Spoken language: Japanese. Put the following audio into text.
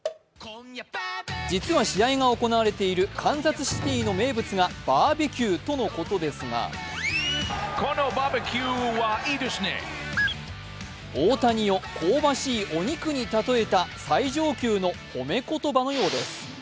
実は試合が行われているカンザスシティの名物がバーベキューとのことですが大谷を香ばしいお肉に例えた最上級の褒め言葉のようです。